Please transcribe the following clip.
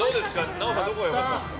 奈緒さんどこが良かったですか？